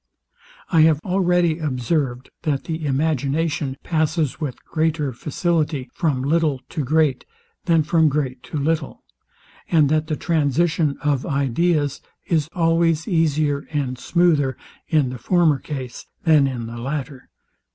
I have already observed that the imagination passes with greater facility from little to great, than from great to little, and that the transition of ideas is always easier and smoother in the former case than in the latter.